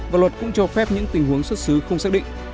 và luật cũng cho phép những tình huống xuất xứ không xác định